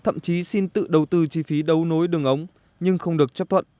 thậm chí xin tự đầu tư chi phí đấu nối đường ống nhưng không được chấp thuận